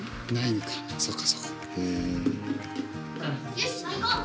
よし行こう！